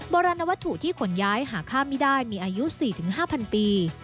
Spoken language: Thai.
โบราณวัตถุที่ขนย้ายหาค่าไม่ได้มีอายุ๔๕๐๐ปี